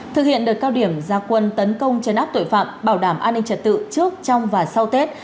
thực hiện đợt cao điểm gia quân tấn công chấn áp tội phạm bảo đảm an ninh trật tự trước trong và sau tết